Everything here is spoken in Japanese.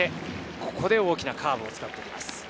ここで大きなカーブを使ってきます。